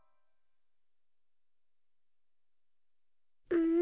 うん？